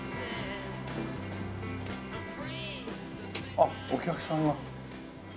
あっお客さんが。